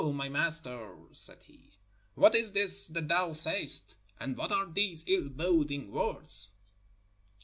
"O my Master," said he, "what is this that thou sayest, and what are these ill boding words?"